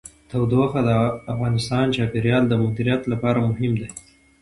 تودوخه د افغانستان د چاپیریال د مدیریت لپاره مهم دي.